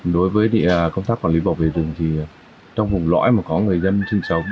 đối với công tác quản lý bảo vệ rừng thì trong vùng lõi mà có người dân sinh sống